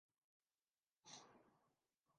quote d' Ivory